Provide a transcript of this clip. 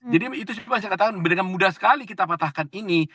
jadi itu seperti yang saya katakan mudah sekali kita petahkan ini